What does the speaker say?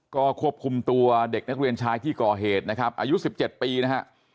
ก็ควบคุมตัวเด็กนักเรียนชายที่กฮนะครับอายุสิบเจ็ดปีนะฮะ